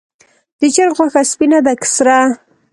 د چرګ غوښه سپینه ده که سره؟